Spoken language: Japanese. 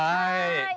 はい。